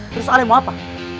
terus ale mau apa